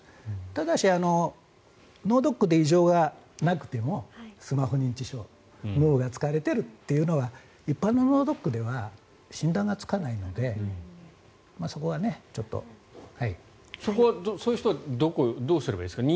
ただし、脳ドックで異常がなくてもスマホ認知症脳が疲れているというのが一般の脳ドックでは診断がつかないのでそういう人はどうすればいいですか？